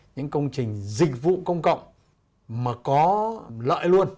những công trình dịch vụ công cộng mà có lợi luôn